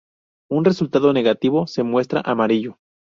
Un resultado negativo se muestra amarillo.